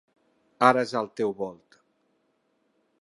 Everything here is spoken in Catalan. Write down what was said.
Ara és el teu volt.